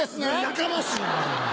やかましいなお前！